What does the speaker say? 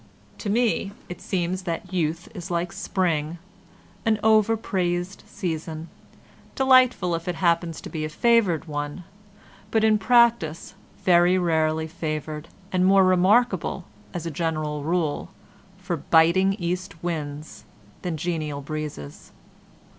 To me it seems that youth is like spring, an overpraised season—delightful if it happen to be a favoured one, but in practice very rarely favoured and more remarkable, as a general rule, for biting east winds than genial breezes.